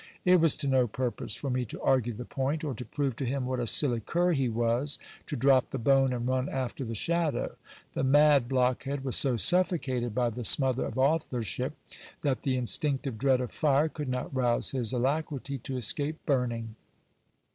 It was to no purpose for me to argue the point, or to prove to him what a silly cur he was, to drop the bone and run after the shadow : the mad blockhead was so suffocated by the smother of authorship, that the instinctive dread of fire could not rouse his alacrity to escape burning.